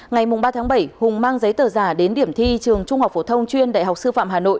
ngày ba tháng bảy hùng mang giấy tờ giả đến điểm thi trường trung học phổ thông chuyên đại học sư phạm hà nội